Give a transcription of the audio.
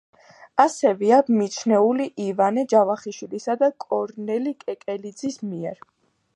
ასევეა მიჩნეული ივანე ჯავახიშვილისა და კორნელი კეკელიძის მიერ.